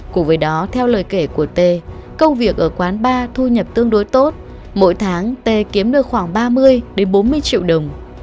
cùng với đó theo lời kể của tê công việc ở quán bar thu nhập tương đối tốt mỗi tháng tê kiếm được khoảng ba mươi bốn mươi triệu đồng